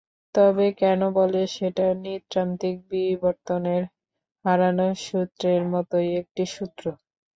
তবে কেন বলে সেটা নৃতাত্ত্বিক বিবর্তনের হারানো সূত্রের মতোই একটি সূত্র।